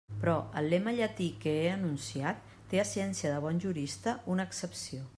Però el lema llatí que he enunciat té, a ciència de bon jurista, una excepció.